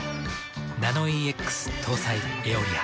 ナノイーＸ搭載「エオリア」。